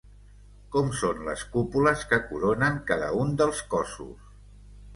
Com són les cúpules que coronen cada un dels cossos?